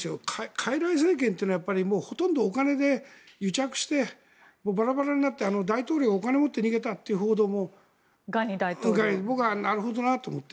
かいらい政権というのはほとんどお金で癒着してバラバラになって大統領をお金を持って入れたという報道も僕はなるほどなと思って。